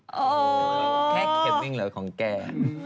อ่ออออแค่เข็มแคงแหละแถวแก่